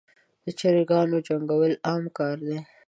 دچراګانو جنګول عام کار دی.